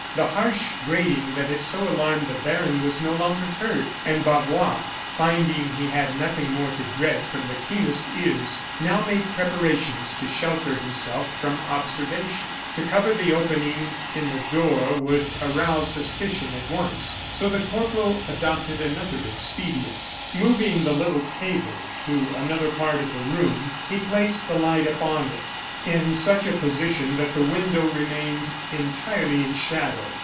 The harsh grating that had so alarmed the baron was no longer heard, and Bavois, finding he had nothing more to dread from the keenest ears, now made preparations to shelter himself from observation. To cover the opening in the door would arouse suspicion at once so the corporal adopted another expedient. Moving the little table to another part of the room, he placed the light upon it, in such a position that the window remained entirely in shadow.